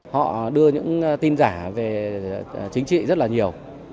họ đưa những tin giả về chính trị rất là nhiều